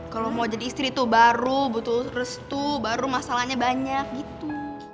kalau mau jadi istri itu baru butuh restu baru masalahnya banyak gitu